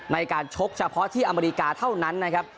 ชกเฉพาะที่อเมริกาเท่านั้นนะครับ